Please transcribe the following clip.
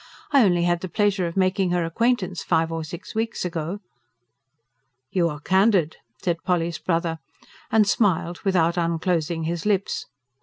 I only had the pleasure of making her acquaintance five or six weeks ago." "You are candid," said Polly's brother, and smiled without unclosing his lips.